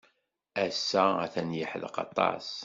Ass-a atan yeḥdeq aṭas.